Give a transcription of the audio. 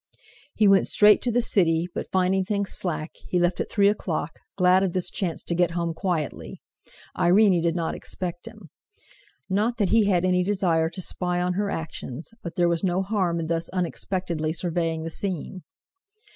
He went straight to the City, but finding things slack, he left at three o'clock, glad of this chance to get home quietly. Irene did not expect him. Not that he had any desire to spy on her actions, but there was no harm in thus unexpectedly surveying the scene.